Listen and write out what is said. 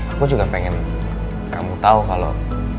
aku juga pengen kamu tahu kalau